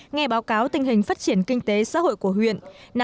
nghe báo cáo tình hình phát triển kinh tế xã hội của huyện